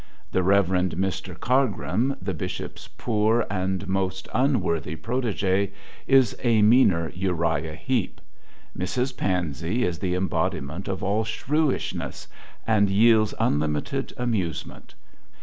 The Reverend Mr. Cargrim, the Bishop's poor and most unworthy protegè, is a meaner Uriah Heep. Mrs. Pansey is the embodiment of all shrewishness, and yields unlimited amusement.